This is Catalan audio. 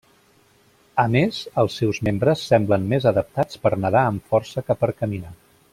A més, els seus membres semblen més adaptats per nedar amb força que per caminar.